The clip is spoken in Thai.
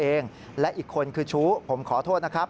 เองและอีกคนคือชู้ผมขอโทษนะครับ